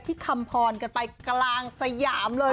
คำพรกันไปกลางสยามเลย